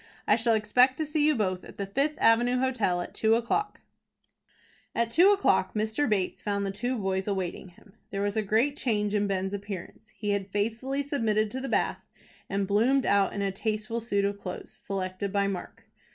I shall expect to see you both at the Fifth Avenue Hotel at two o'clock." At two o'clock, Mr. Bates found the two boys awaiting him. There was a great change in Ben's appearance. He had faithfully submitted to the bath, and bloomed out in a tasteful suit of clothes, selected by Mark.